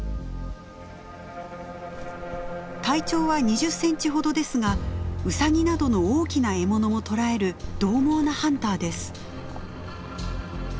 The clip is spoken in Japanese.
体長は２０センチほどですがウサギなどの大きな獲物も捕らえるどう猛なハンターです。